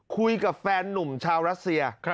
คุยกับแฟนนุ่มชาวรัสเซีย